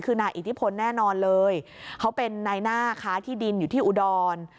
คือนายอิทธิพลแน่นอนเลยเขาเป็นนายหน้าค้าที่ดินอยู่ที่อุดร